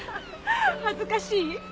恥ずかしい？